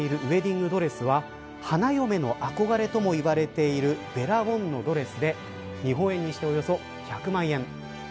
ングドレスは花嫁の憧れともいわれているヴェラ・ウォンのドレスで日本円にしておよそ１００万円。